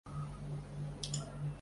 里德镇区。